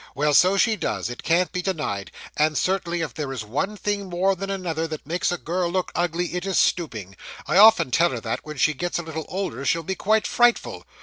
Well, so she does; it can't be denied; and, certainly, if there is one thing more than another that makes a girl look ugly it is stooping. I often tell her that when she gets a little older she'll be quite frightful.